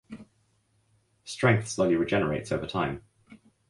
Strength slowly regenerates over time.